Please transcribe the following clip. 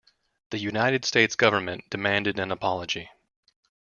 The United States government demanded an apology.